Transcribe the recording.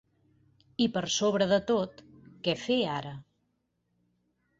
I per sobre de tot: què fer, ara?